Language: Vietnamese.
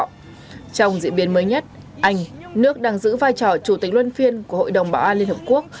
trong diễn biến mới nhất anh nước đang giữ vai trò chủ tịch luân phiên của hội đồng bảo an liên hợp quốc